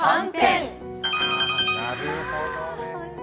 なるほどね。